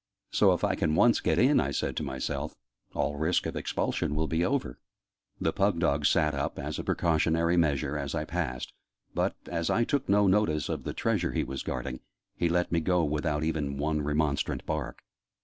"So, if I can once get in," I said to myself, "all risk of expulsion will be over!" {Image...'The pug dog sat up'} The pug dog sat up, as a precautionary measure, as I passed; but, as I took no notice of the treasure he was guarding, he let me go by without even one remonstrant bark.